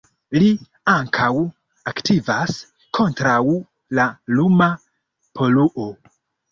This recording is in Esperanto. Li ankaŭ aktivas kontraŭ la luma poluo.